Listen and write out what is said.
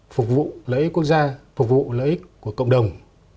phục vụ lợi ích quốc gia phục vụ lợi ích của cộng đồng